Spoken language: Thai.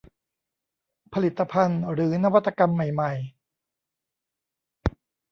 ผลิตภัณฑ์หรือนวัตกรรมใหม่ใหม่